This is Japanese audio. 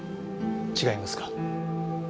違いますか？